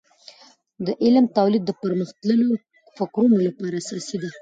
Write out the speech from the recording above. د علم تولید د پرمختللیو فکرونو لپاره اساسي ده.